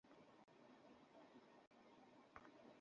ধন্যবাদ, ভারত মাতা!